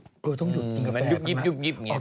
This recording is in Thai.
ก็ต้องหยุดกินกาแฟของเงียบ